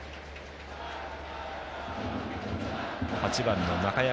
８番の中山